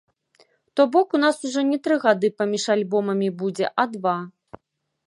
То бок у нас ужо не тры гады паміж альбомамі будзе а два.